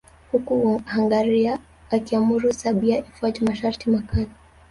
Huku Hungaria ikiamuru Serbia ifuate masharti makali